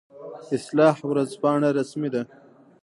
اصلاح ورځپاڼه رسمي ده